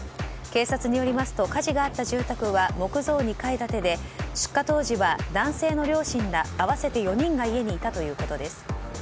警察によりますと火事があった住宅は木造２階建てで、出火当時は男性の両親ら合わせて４人が家にいたということです。